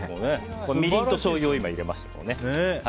みりんとしょうゆを入れました。